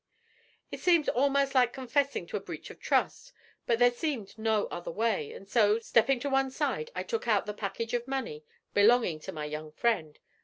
'It seems almost like confessing to a breach of trust; but there seemed no other way, and so, stepping to one side, I took out the package of money belonging to my young friend.